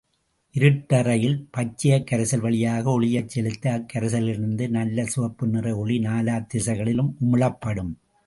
இருட்டறையில் பச்சையக் கரைசல் வழியாக ஒளியைச் செலுத்த, அக்கரைசலிலிருந்து நல்ல சிவப்பு நிற ஒளி நாலாத் திசைகளிலும் உமிழப்படும்.